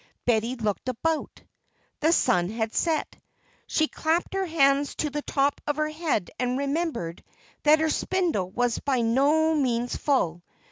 Betty looked about. The sun had set. She clapped her hands to the top of her head, and remembered that her spindle was by no means full.